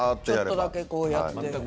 ちょっとだけこうやって。